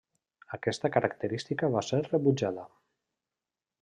Aquesta característica va ser rebutjada.